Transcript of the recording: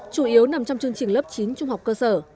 chủ yếu nằm trong chương trình lớp chín trung học cơ sở